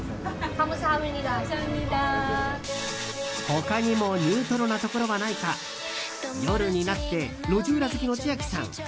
他にもニュートロなところはないか夜になって路地裏好きの千秋さん